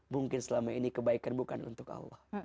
mungkin selama ini kebaikan bukan untuk allah